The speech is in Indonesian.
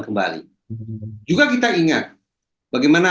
kembali juga kita ingat bagaimana